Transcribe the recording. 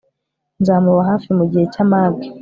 nzamuba hafi mu gihe cy'amage